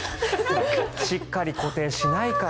しっかり固定しないから。